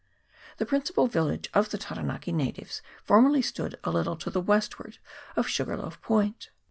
The principal village of the Taranaki natives for merly stood a little to the westward of Sugarloaf Point.